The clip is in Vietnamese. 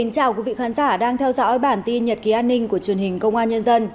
chào mừng quý vị đến với bản tin nhật ký an ninh của truyền hình công an nhân dân